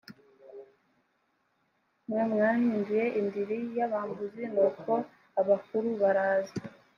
mwe mwayihinduye indiri y abambuzi nuko abakuru baraza